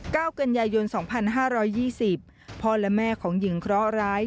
กันยายนสองพันห้าร้อยยี่สิบพ่อและแม่ของหญิงเคราะหร้าย